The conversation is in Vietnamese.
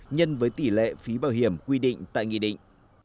nhân với tỷ lệ phí bảo hiểm quy định tại nghị định